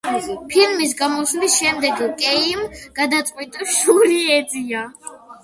ფილმის გამოსვლის შემდეგ კეიმ გადაწყვიტა „შური ეძია“.